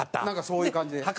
なんかそういう感じで。